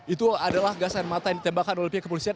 itu adalah gas air mata yang ditembakkan oleh pihak kepolisian